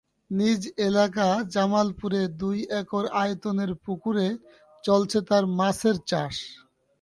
নিজ এলাকা জামালপুরে দুই একর আয়তনের পুকুরে চলছে তাঁর মাছের চাষ।